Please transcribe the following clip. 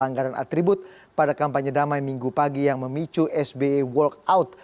anggaran atribut pada kampanye damai minggu pagi yang memicu sbe walk out